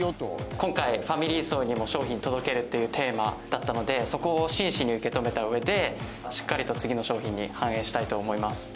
今回ファミリー層にも商品を届けるっていうテーマだったのでそこを真摯に受け止めたうえでしっかりと次の商品に反映したいと思います。